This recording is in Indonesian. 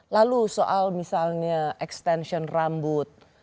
lalu soal misalnya extension rambut